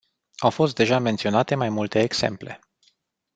Au fost deja menționate mai multe exemple.